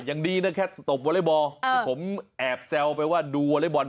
ยังดีนะแคโต๊ะวอลเลบอล